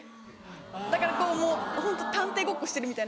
だからもうホント探偵ごっこしてるみたいな。